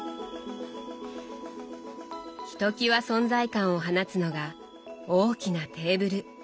ひときわ存在感を放つのが大きなテーブル。